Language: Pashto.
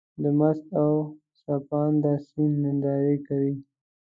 د مست او څپانده سيند ننداره کوې.